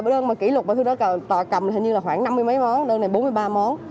đơn mà kỷ lục thư đó cầm hình như là khoảng năm mươi mấy món đơn này bốn mươi ba món